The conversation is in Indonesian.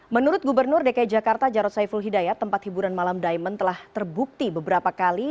menurut gubernur dki jakarta jarod saiful hidayat tempat hiburan malam diamond telah terbukti beberapa kali